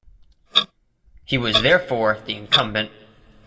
He was therefore the incumbent.